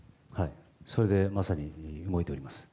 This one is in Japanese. それでまさに動いております。